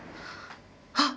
あっ！